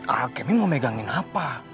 a kami mau pegangin apa